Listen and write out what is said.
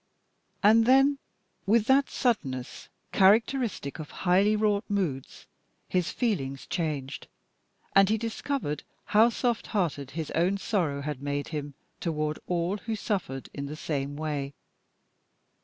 And then, with that suddenness characteristic of highly wrought moods, his feelings changed, and he discovered how soft hearted his own sorrow had made him toward all who suffered in the same way.